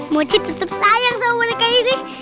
mochi tetep sayang sama boneka ini